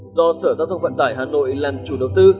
do sở giao thông vận tải hà nội làm chủ đầu tư